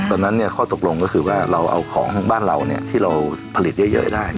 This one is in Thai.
ตอนนั้นข้อตกลงก็คือว่าเราเอาของบ้านเราที่เราผลิตเยอะได้